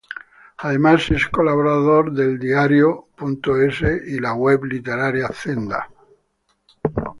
Además es colaborador de eldiario.es y la web literaria Zenda.